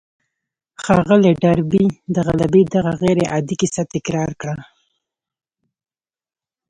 ښاغلي ډاربي د غلبې دغه غير عادي کيسه تکرار کړه.